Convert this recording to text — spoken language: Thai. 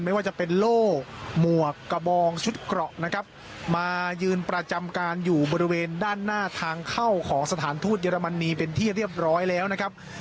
ไม่ว่าจะเป็นโล่หมวกกระบองชุดเกราะนะครับมายืนประจำการอยู่บริเวณด้านหน้าทางเข้าของสถานทูตเยอรมนีเป็นที่เรียบร้อยแล้วนะครับ